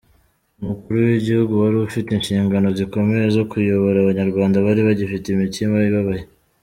Umukuru w’igihugu wari ufite inshingano zikomeye zo kuyobora abanyarwanda bari bagifite imitima ibababaye.